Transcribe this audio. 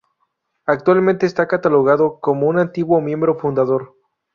Actualmente está catalogado como un antiguo miembro fundador.